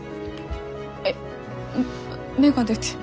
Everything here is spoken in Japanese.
えっ芽が出てる。